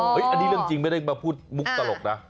สร้างกายเขาได้ไม่ได้มาพูดมุกตลกนะ